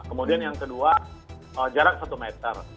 kemudian yang kedua jarak satu meter